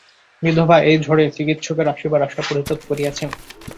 বিধবা এই ঝড়ে চিকিৎসকের আসিবার আশা পরিত্যাগ করিয়াছেন।